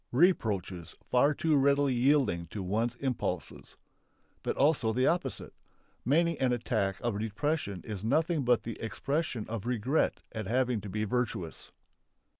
Reproaches for too readily yielding to one's impulses. But also the opposite! Many an attack of depression is nothing but the expression of regret at having to be virtuous.